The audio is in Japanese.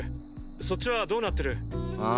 そっちはどうなってる？あン？